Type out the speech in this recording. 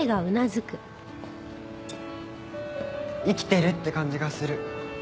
生きてるって感じがする。